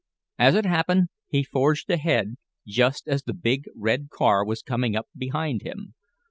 As it happened he forged ahead just as the big red car was coming up behind him.